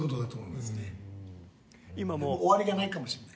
でも終わりがないかもしれない。